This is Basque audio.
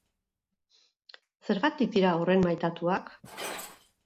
Zergatik dira horren maitatuak?